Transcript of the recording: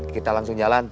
kita langsung jalan